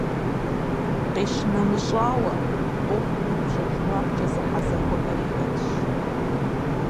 Къищынэмыщӏауэ, ӏуэхум упщӏэ–жэуапкӏэ зэхьэзэхуэхэри хэтащ.